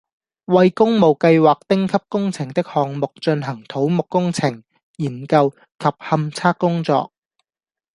為工務計劃丁級工程的項目進行土木工程、研究及勘測工作